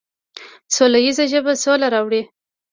سوله ییزه ژبه سوله راوړي.